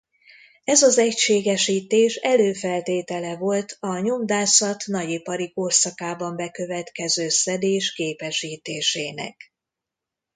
Ez az egységesítés előfeltétele volt a nyomdászat nagyipari korszakában bekövetkező szedés gépesítésének.